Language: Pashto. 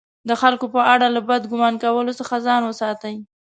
د خلکو په اړه له بد ګمان کولو څخه ځان وساتئ!